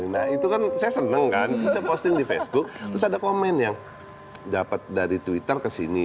nah itu kan saya seneng kan terus saya posting di facebook terus ada komen yang dapet dari twitter ke sini